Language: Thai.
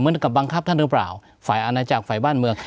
เหมือนกับบังคับท่านหรือเปล่าฝ่ายอาณาจักรฝ่ายบ้านเมือง